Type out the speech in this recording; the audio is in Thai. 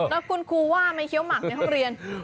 แล้วคุณครูว่าไหมเคี้ยหมักในห้องเรียน